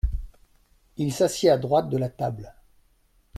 Il s’assied à droite de la table.